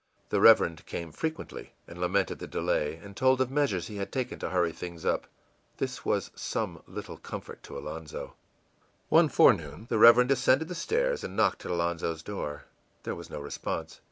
The Reverend came frequently and lamented the delay, and told of measures he had taken to hurry things up. This was some little comfort to Alonzo. One forenoon the Reverend ascended the stairs and knocked at Alonzo's door. There was no response.